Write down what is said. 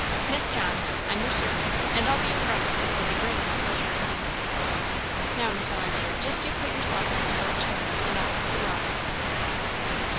Miss Johns, I'm your servant, and I'll be your bridesmaid with the greatest pleasure in life. Now, Miss Ellen, dear, just you put yourself on that low chair, and I'll fix you off."